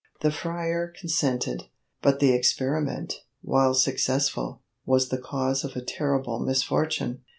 The friar consented, but the experiment, while successful, was the cause of a terrible misfortune.